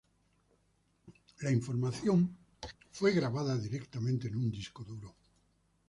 La información fue grabada directamente en un disco duro.